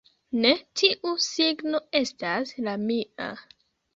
Ne, tiu signo estas la mia